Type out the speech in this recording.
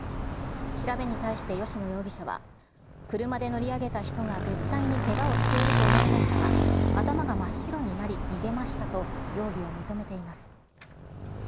調べに対して、吉野容疑者は車で乗り上げた人が絶対にけがをしていると思いましたが、頭が真っ白になり、逃げましたと容疑を認めています。